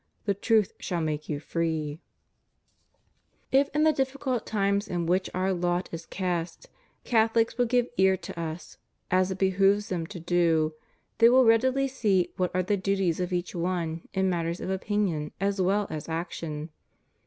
The truth shall make you free} If in the difficult times in which our lot is cast, Catholics will give ear to Us, as it behooves them to do, they will readily see what are the duties of each one in matters of opinion as well as action.